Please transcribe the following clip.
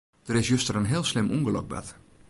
Der is juster in heel slim ûngelok bard.